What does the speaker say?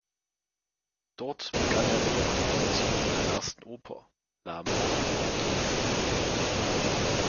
Dort begann er mit der Komposition seiner ersten Oper, "La morte d’Orfeo.